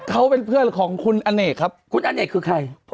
เขาเป็นเพื่อนของคุณอเนกครับคุณอเนกคือใคร